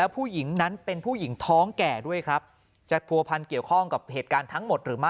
ผู้หญิงนั้นเป็นผู้หญิงท้องแก่ด้วยครับจะผัวพันเกี่ยวข้องกับเหตุการณ์ทั้งหมดหรือไม่